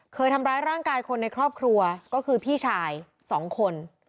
เคยทำร้ายร่างกายคนในครอบครัวก็คือพี่ชาย๒คน